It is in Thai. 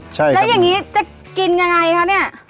ใช่แล้วอย่างนี้จะกินยังไงคะเนี่ย